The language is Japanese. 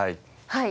はい。